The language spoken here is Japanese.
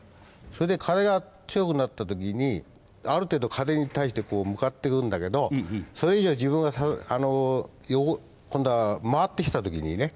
それで風が強くなった時にある程度風に対して向かってくんだけどそれ以上自分はあの今度は回ってきた時にね